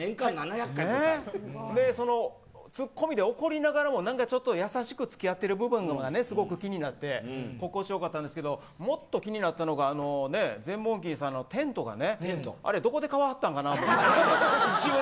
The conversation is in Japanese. そのツッコミで怒りながらも優しく付き合っている部分がすごく気になって心地良かったんですけどももっと気になったのがゼンモンキーさんのテントあれは、どこで買ったのかなと。